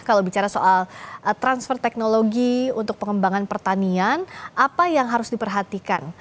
kalau bicara soal transfer teknologi untuk pengembangan pertanian apa yang harus diperhatikan